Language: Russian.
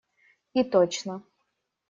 И точно.